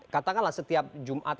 katakanlah setiap jumat